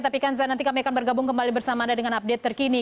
tapi kanza nanti kami akan bergabung kembali bersama anda dengan update terkini